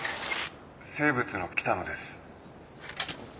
生物の北野です。